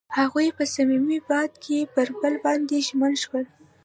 هغوی په صمیمي باد کې پر بل باندې ژمن شول.